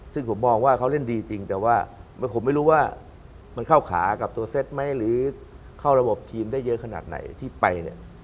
ซึ่งผมมองว่าเขาเล่นดีจริงแต่ว่าผมไม่รู้ว่ามันเข้าขากับตัวเซตไหมหรือเข้าระบบทีมได้เยอะขนาดไหนที่ไปเนี่ย